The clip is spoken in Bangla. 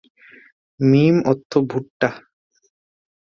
মিম অর্থ ভুট্টা।